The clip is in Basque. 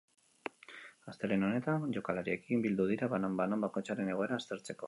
Astelehen honetan jokalariekin bildu dira, banan-banan, bakoitzaren egoera aztertzeko.